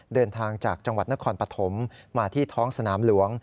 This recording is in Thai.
เดินทางจากจังหวัดนครปฐมมาที่ท้องสนามหลวง